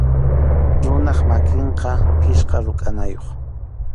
Runap makinqa pichqa rukʼanayuq.